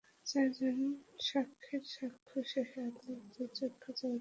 চারজন সাক্ষীর সাক্ষ্য শেষে আদালত একজনকে যাবজ্জীবন এবং তিনজনকে খালাস দেন।